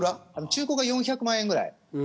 中古が４００万円ぐらい。